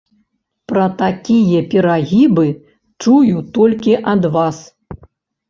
Пра такія перагібы чую толькі ад вас.